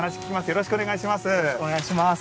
よろしくお願いします。